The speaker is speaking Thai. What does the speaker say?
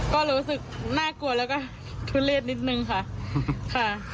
ก็รู้สึกน่ากลัวแล้วก็ทุเลศนิดนึงค่ะค่ะ